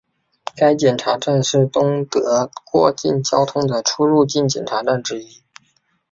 该检查站是东德过境交通的出入境检查站之一。